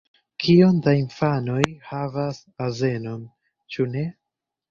Kiom da infanoj havas azenon? Ĉu ne?